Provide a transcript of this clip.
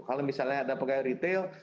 kalau misalnya ada pegawai retail